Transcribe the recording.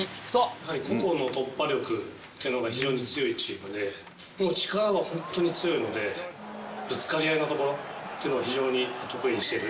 やはり個々の突破力いうのが、非常に強いチームで、力は本当に強いので、ぶつかり合いのところっていうのを非常に得意にしてる。